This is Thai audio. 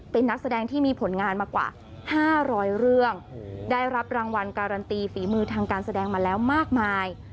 เป็นนักแสดงที่มีผลงานมากว่า๕๐๐เรื่องได้รับรางวัลการันตีฝีมือทางการแสดงมาแล้วมากมาย